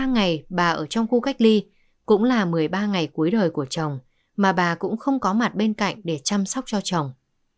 ba ngày bà ở trong khu cách ly cũng là một mươi ba ngày cuối đời của chồng mà bà cũng không có mặt bên cạnh để chăm sóc cho chồng